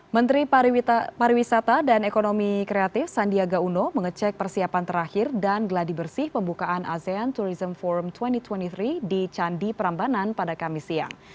menteri pariwisata dan ekonomi kreatif sandiaga uno mengecek persiapan terakhir dan geladi bersih pembukaan asean tourism forum dua ribu dua puluh tiga di candi prambanan pada kamis siang